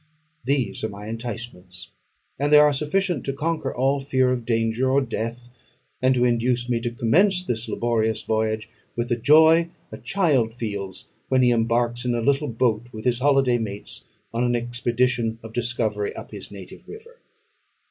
These are my enticements, and they are sufficient to conquer all fear of danger or death, and to induce me to commence this laborious voyage with the joy a child feels when he embarks in a little boat, with his holiday mates, on an expedition of discovery up his native river.